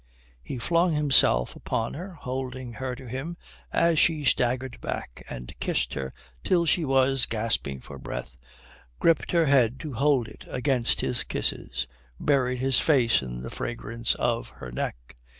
He flung himself upon her, holding her to him as she staggered back, and kissed her till she was gasping for breath, gripped her head to hold it against his kisses, buried his face in the fragrance of her neck.